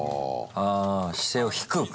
ああ姿勢を低く。